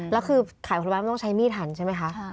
แล้วคือขายผลไม้มันต้องใช้มีดหันใช่ไหมคะ